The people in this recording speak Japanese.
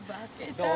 どう？